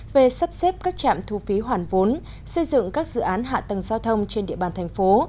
về sắp xếp các trạm thu phí hoàn vốn xây dựng các dự án hạ tầng giao thông trên địa bàn thành phố